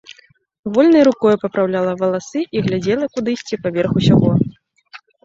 Вольнай рукою папраўляла валасы і глядзела кудысьці паверх усяго.